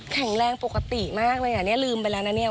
แข็งแรงปกติมากเลยอ่ะเนี่ยลืมไปแล้วนะเนี่ย